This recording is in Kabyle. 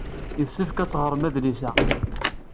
Yessefk ad teɣrem adlis-a.